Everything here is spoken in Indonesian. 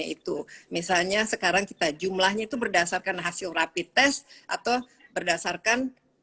begitu misalnya sekarang kita jumlahnya itu berdasarkan hasil rapi tes atau berdasarkan